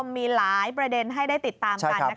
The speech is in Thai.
มีหลายประเด็นให้ได้ติดตามกัน